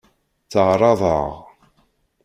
Tteɛṛaḍeɣ.